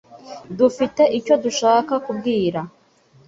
Dufite icyo dushaka kubwira